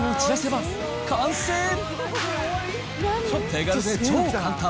手軽で超簡単！